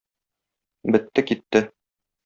Бетте-китте!